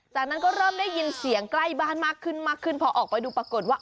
จากนั้นก็เริ่มได้ยินเสียงใกล้บ้านมากขึ้นมากขึ้นพอออกไปดูปรากฏว่า